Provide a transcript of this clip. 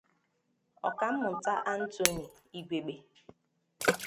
Ọkammụta Anthony Igwegbe